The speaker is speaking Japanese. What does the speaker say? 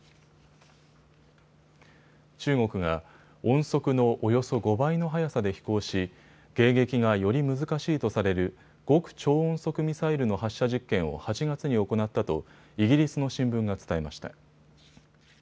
中国が音速のおよそ５倍の速さで飛行し迎撃がより難しいとされる極超音速ミサイルの発射実験を８月に行ったとイギリスの新聞が伝えました。